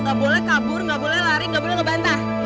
gak boleh kabur gak boleh lari gak boleh ngebantah